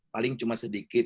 paling cuma sedikit